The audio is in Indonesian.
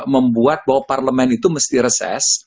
membuat bahwa parlemen itu mesti reses